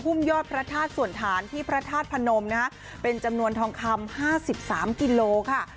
ยอดพระธาตุส่วนฐานที่พระธาตุพนมนะฮะเป็นจำนวนทองคำ๕๓กิโลค่ะ